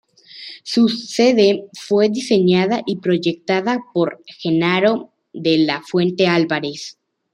Su sede fue diseñada y proyectada por Jenaro de la Fuente Álvarez.